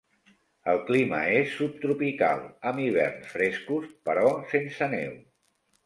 El clima és subtropical amb hiverns frescos però sense neu.